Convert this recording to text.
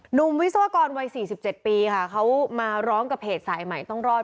วิศวกรวัย๔๗ปีค่ะเขามาร้องกับเพจสายใหม่ต้องรอด